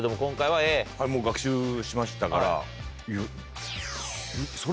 はいもう学習しましたから。